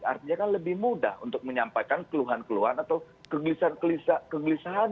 artinya kan lebih mudah untuk menyampaikan keluhan keluhan atau kegelisahan kegelisahan